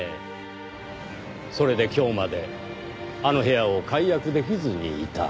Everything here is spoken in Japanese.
それで今日まであの部屋を解約できずにいた。